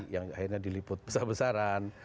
yang akhirnya diliput besar besaran